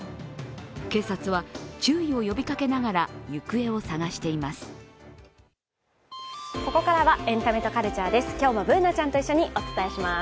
警察は注意を呼びかけながら行方を捜しています。